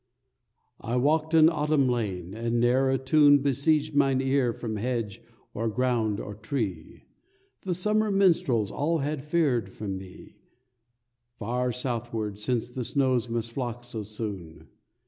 I walked an autumn lane, and ne'er a tune Besieged mine ear from hedge or ground or tree; The summer minstrels all had fared from me Far southward, since the snows must flock so soon.